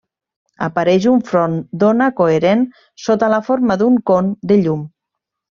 Apareix un front d'ona coherent sota la forma d'un con de llum.